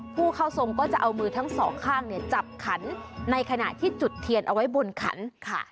ผู้เข้าทรงก็จะเอามือทั้งสองข้างจับขันในขณะที่จุดเทียนเอาไว้บนขันค่ะ